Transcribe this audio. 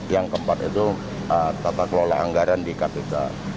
yang keempat itu tata kelola anggaran di kpk